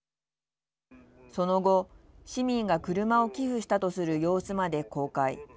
その後、市民が車を寄付したとする様子まで公開。